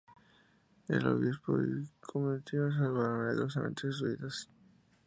El obispo y su comitiva salvaron milagrosamente sus vidas.